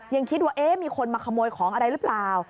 ยังคิดว่ามีคนมาขโมยของอะไรหรือเปล่า